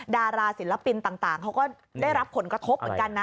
ดาราศิลปินต่างเขาก็ได้รับผลกระทบเหมือนกันนะ